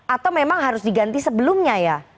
atau memang harus diganti sebelumnya ya